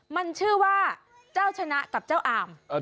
มันชื่อว่าเจ้าชนะกับเจ้าอาม